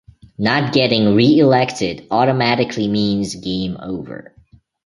Not getting re-elected automatically means game over.